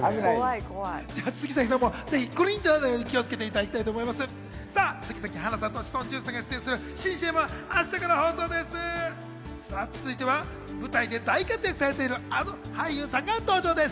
杉咲さんもぜひグリンっとならないように気をつけていただきたいと思います。